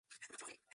Christina Rossetti